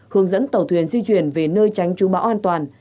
hướng dẫn tàu thuyền di chuyển về nơi tránh trú bão an toàn